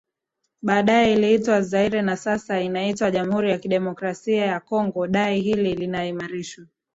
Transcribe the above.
baadaye iliitwa Zaire na sasa inaitwa Jamhuri ya Demokrasia ya Kongo Dai hili linaimarishwa